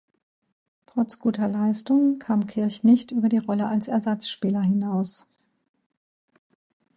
Trotz guter Leistungen kam Kirch nicht über die Rolle als Ersatzspieler hinaus.